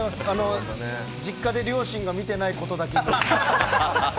実家で両親が見てないことだけ祈ってます。